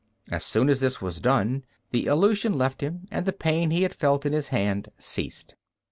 As soon as this was done, the illusion left him and the pain he had felt in his hand ceased.